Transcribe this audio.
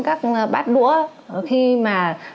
các bát đũa khi mà